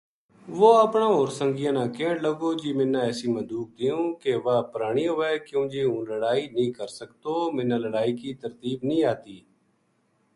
وہ اپنا ہور سنگیاں نا کہن لگو جی منا اِسی مدوک دیوں کی واہ پرانی ہووے کیوں جی ہوں لڑائی نیہہ کر سکتو منا لڑائی کی ترتیب نیہہ آتی